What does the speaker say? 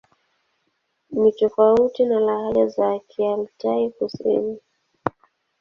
Ni tofauti na lahaja za Kialtai-Kusini.